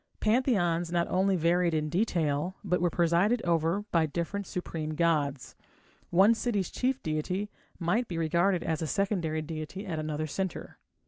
Pantheons not only varied in detail, but were presided over by different supreme gods. One city's chief deity might be regarded as a secondary deity at another centre.